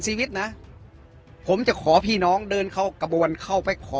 ชีวิตนะผมจะขอพี่น้องเดินเข้ากระบวนเข้าไปขอ